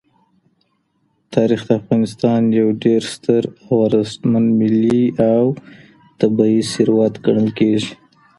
تاریخ د افغانستان یو ډېر ستر او ارزښتمن ملي او طبعي ثروت ګڼل کېږي.